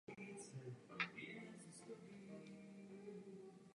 Svůj pátý titul vybojoval londýnský tým Chelsea.